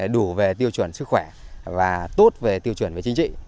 đủ về tiêu chuẩn sức khỏe và tốt về tiêu chuẩn về chính trị